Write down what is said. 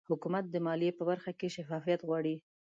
حکومت د مالیې په برخه کې شفافیت غواړي